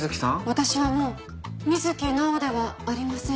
私はもう水木直央ではありません。